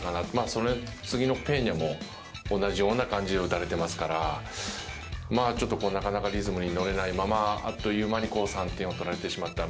その次のペーニャも同じような感じで打たれていますからちょっとなかなかリズムに乗れないまま、あっという間に３点を取られてしまった